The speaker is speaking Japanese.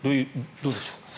どうでしょうか。